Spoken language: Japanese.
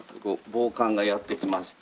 暴漢がやって来ました。